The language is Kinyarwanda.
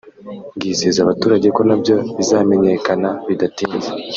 bwizeza abaturage ko nabyo bizamenyekana bidatinze